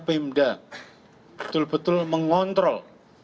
pemda betul betul mengontrol